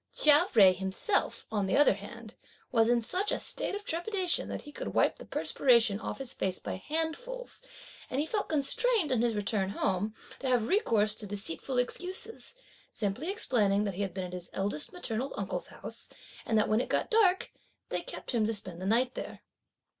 Chia Jui himself, on the other hand, was (in such a state of trepidation) that he could wipe the perspiration (off his face) by handfuls; and he felt constrained on his return home, to have recourse to deceitful excuses, simply explaining that he had been at his eldest maternal uncle's house, and that when it got dark, they kept him to spend the night there.